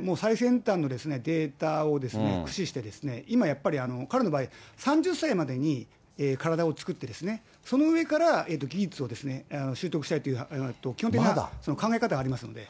もう最先端のデータを駆使して、今やっぱり、彼の場合、３０歳までに体を作ってですね、その上から、技術を習得したいという基本的な考え方がありますんで。